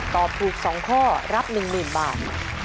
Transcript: ตอบถูก๒ข้อรับ๑๐๐๐บาท